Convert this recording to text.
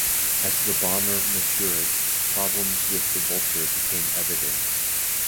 As the bomber matured, problems with the Vulture became evident.